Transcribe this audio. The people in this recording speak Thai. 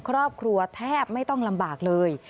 ครอบครัวแทบไม่ต้องลำบากเลย